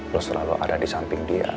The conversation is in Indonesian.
lo selalu ada di samping dia